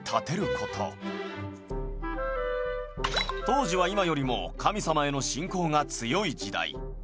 当時は今よりも神様への信仰が強い時代。